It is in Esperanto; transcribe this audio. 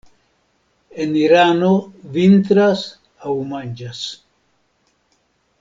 En Irano vintras aŭ manĝas.